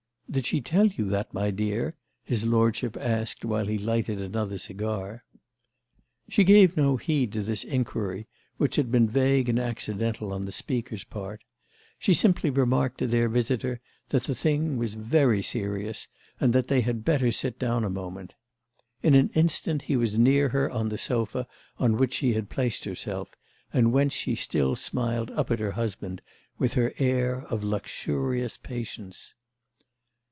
"Did she tell you that, my dear?" his lordship asked while he lighted another cigar. She gave no heed to this inquiry, which had been vague and accidental on the speaker's part; she simply remarked to their visitor that the thing was very serious and that they had better sit down a moment. In an instant he was near her on the sofa on which she had placed herself and whence she still smiled up at her husband with her air of luxurious patience.